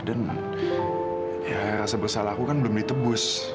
dan rasa bersalah aku kan belum ditebus